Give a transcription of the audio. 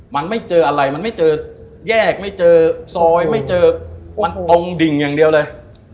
มันไม่เจออะไรมันไม่เจอแยกไม่เจอซอยไม่เจอมันตรงดิ่งอย่างเดียวเลย